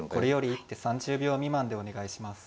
一手３０秒未満でお願いします。